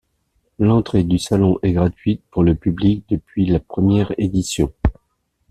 L'entrée du salon est gratuite pour le public depuis la première édition.